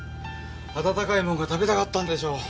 温かいもんが食べたかったんでしょう。